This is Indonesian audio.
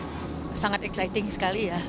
saya sangat teruja sekali ya